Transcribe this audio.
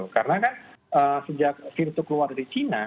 karena kan sejak virus itu keluar dari china